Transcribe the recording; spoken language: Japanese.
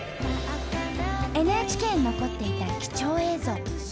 ＮＨＫに残っていた貴重映像。